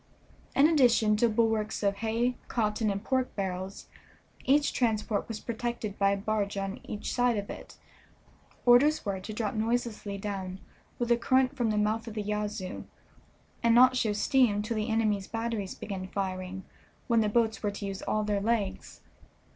In addition to bulwarks of hay, cotton, and pork barrels, each transport was protected by a barge on each side of it. Orders were to drop noiselessly down with the current from the mouth of the Yazoo, and not show steam till the enemy's batteries began firing, when the boats were to use all their legs.